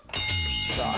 さあ。